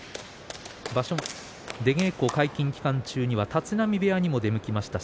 出稽古解禁中には立浪部屋にも出向きました。